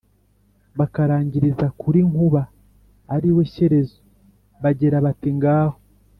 bakarangiriza kuri nkuba (ari we shyerezo) bagira bati: "ngaho